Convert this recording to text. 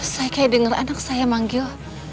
saya kayak denger anak saya manggil